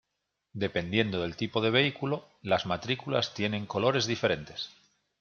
Dependiendo del tipo de vehículo, las matrículas tienen colores diferentes.